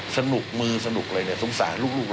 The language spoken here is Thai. สนุกมือสนุกเลยเนี่ยสงสารลูก